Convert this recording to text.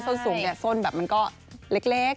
ส้นสูงส้นแบบมันก็เล็กใช่ไหมคะ